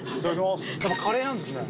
やっぱカレーなんですね。